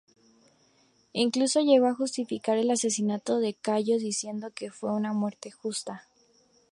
Incluso llegó a justificar el asesinato de Cayo, diciendo que fue una muerte justa.